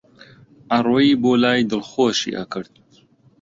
ئەڕۆیی بۆلای دڵخۆشی ئەکرد